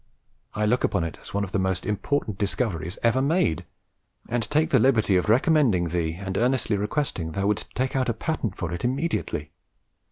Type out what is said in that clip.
I look upon it as one of the most important discoveries ever made, and take the liberty of recommending thee and earnestly requesting thou wouldst take out a patent for it immediately....